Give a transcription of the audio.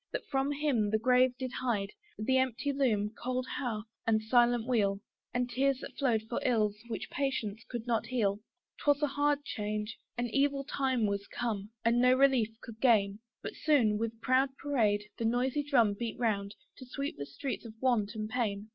that from him the grave did hide The empty loom, cold hearth, and silent wheel, And tears that flowed for ills which patience could not heal. 'Twas a hard change, an evil time was come; We had no hope, and no relief could gain. But soon, with proud parade, the noisy drum Beat round, to sweep the streets of want and pain.